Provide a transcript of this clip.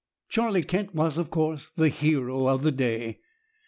Charlie Kent was, of course, the hero of the day.